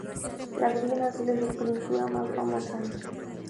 La "Virgen Azul" es su pintura más famosa.